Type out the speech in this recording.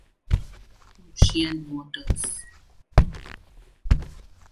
Ocean waters.